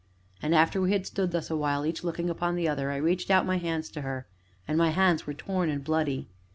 And, after we had stood thus awhile, each looking upon the other, I reached out my hands to her, and my hands were torn and bloody.